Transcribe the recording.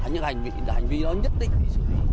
những hành vi đó nhất định bị xử lý